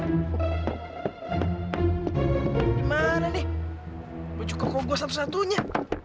gimana nih bujuk kok gue satu satunya